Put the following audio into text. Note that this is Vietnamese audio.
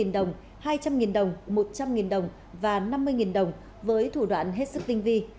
hai trăm linh đồng hai trăm linh đồng một trăm linh đồng và năm mươi đồng với thủ đoạn hết sức tinh vi